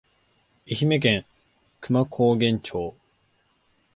愛媛県久万高原町